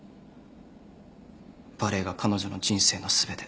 バレエが彼女の人生の全て。